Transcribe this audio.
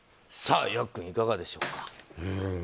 さあ、ヤックンいかがでしょうか。